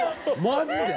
マジで？